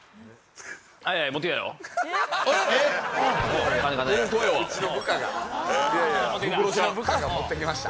うちの部下が持ってきました。